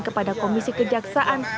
kepada komisi kejaksaan